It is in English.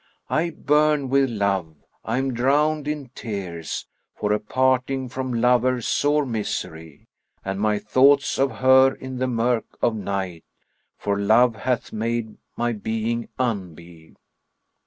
I burn with love, I am drowned in tears * For a parting from lover, sore misery! And my thoughts of her in the murk of night * For love hath make my being unbe."